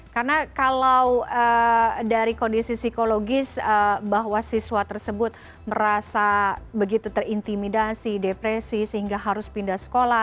karena kalau dari kondisi psikologis bahwa siswa tersebut merasa begitu terintimidasi depresi sehingga harus pindah sekolah